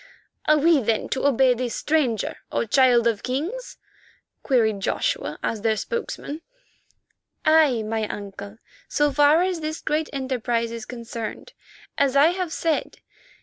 "Are we then, to obey this stranger, O Child of Kings?" queried Joshua as their spokesman. "Aye, my uncle, so far as this great enterprise is concerned, as I have said.